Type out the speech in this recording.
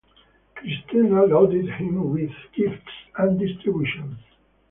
Christina loaded him with gifts and distinctions.